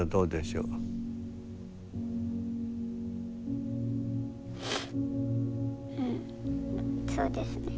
うんそうですね。